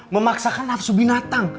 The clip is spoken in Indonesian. memaksakan nafsu binatang